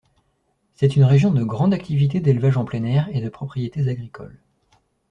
C’est une région de grande activité d’élevage en plein air et de propriétés agricoles.